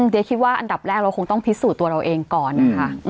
เจ๊คิดว่าอันดับแรกเราคงต้องพิสูจน์ตัวเราเองก่อนนะคะ